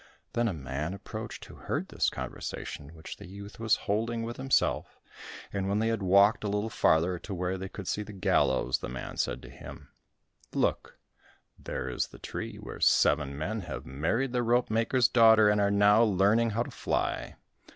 Then a man approached who heard this conversation which the youth was holding with himself, and when they had walked a little farther to where they could see the gallows, the man said to him, "Look, there is the tree where seven men have married the ropemaker's daughter, and are now learning how to fly.